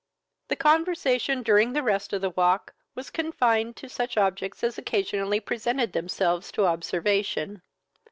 The conversation, during the rest of the walk, was confined to such objects as occasionally presented themselves to observation.